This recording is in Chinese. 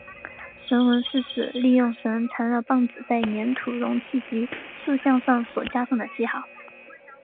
绳文是指利用绳缠绕棒子在黏土容器及塑像上所加上的记号。